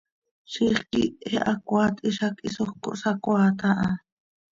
Ziix quih he hacoaat hizac hisoj cohsacoaat aha.